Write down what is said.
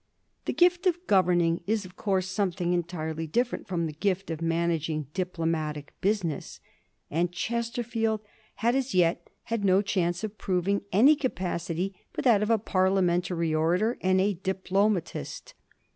The gift of governing is of course something entii'ely dif ferent from the gift of managing diplomatic business ; and Chesterfield had as yet had no chance of proving any capacity but that of a parliamentary orator and a diplo matist.